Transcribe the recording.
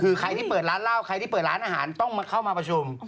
คือใครที่เปิดร้านเหล้าใครที่เปิดร้านอาหารต้องเข้ามาประชุม